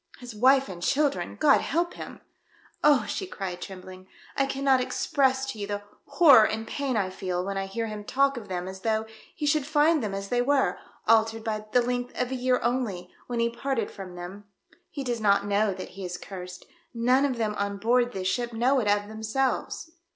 " His wife and children ! God help him !"" Oh !" she cried, trembling, " I cannot express to you the horror and pain I feel when I hear him talk of them as though he should find them as they were — altered by the length of a year only — when he parted from them. He does not know that he is cursed — none of them on board this ship know it of themselves."